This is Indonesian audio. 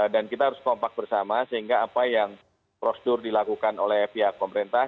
dan kita harus kompak bersama sehingga apa yang prosedur dilakukan oleh pihak pemerintah